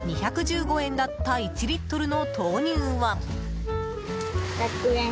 ２１５円だった１リットルの豆乳は。